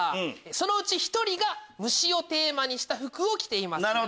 そのうち１人が虫をテーマにした服を着ています。